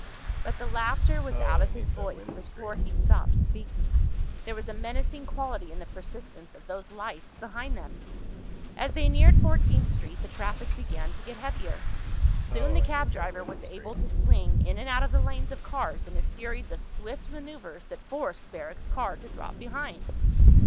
But the laughter was out of his voice before he stopped speaking. There was a menacing quality in the persistence of those lights behind them. As they neared Fourteenth Street the traffic began to get heavier. Soon the cab driver was able to swing in and out of the lanes of cars in a series of swift maneuvers that forced Barrack's car to drop behind.